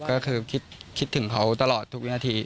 ก็คือคิดถึงเขาตลอดทุกวินาที